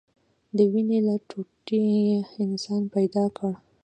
د وينې له ټوټې يې انسان پيدا كړ.